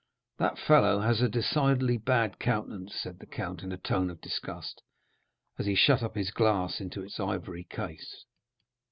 "That fellow has a decidedly bad countenance," said the count in a tone of disgust, as he shut up his glass into its ivory case.